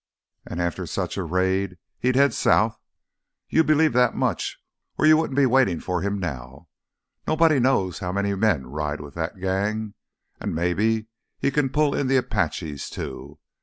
And after such a raid he'd head south. You believe that much or you wouldn't be here waitin' for him now. Nobody knows how many men ride with that gang—and maybe he can pull in the Apaches, too.